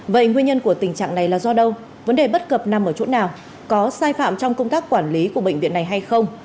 vậy nguyên nhân của tình trạng này là do đâu vấn đề bất cập nằm ở chỗ nào có sai phạm trong công tác quản lý của bệnh viện này hay không